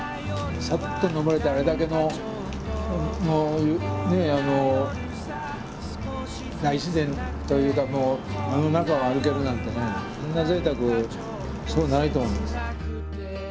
さっと登れてあれだけのねえ大自然というかあの中を歩けるなんてねそんなぜいたくそうないと思いますよ。